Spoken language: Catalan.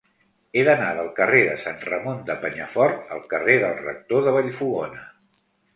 He d'anar del carrer de Sant Ramon de Penyafort al carrer del Rector de Vallfogona.